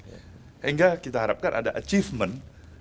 sehingga kita harapkan ada achievement